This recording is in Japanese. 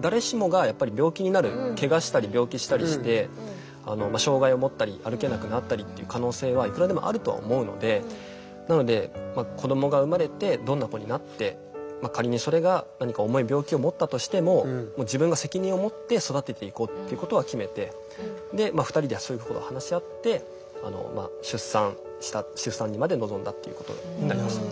誰しもがやっぱり病気になるけがしたり病気したりして障害を持ったり歩けなくなったりっていう可能性はいくらでもあるとは思うのでなので子どもが産まれてどんな子になってっていうことは決めてで２人でそういうことを話し合って出産した出産にまで臨んだっていうことになりました。